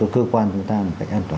cơ quan chúng ta một cách an toàn